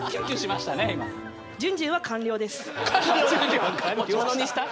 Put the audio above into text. ジュンジュンは完了した？